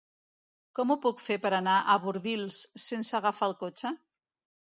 Com ho puc fer per anar a Bordils sense agafar el cotxe?